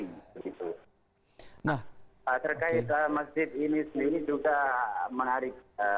nah terkait masjid ini sendiri juga menarik